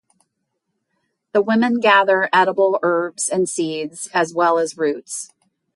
The women gather edible herbs and seeds as well as roots.